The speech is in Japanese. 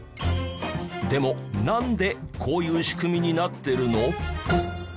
でもなんでこういう仕組みになってるの？